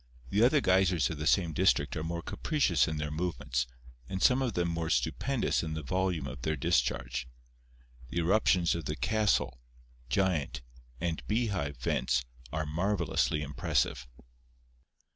The other geysers of the same district are more capricious in their movements, and some of them more stupendous in the volume of their discharge. The eruptions of the 'Castle/ 'Giant/ and 'Beehive' vents are marvelously impressive.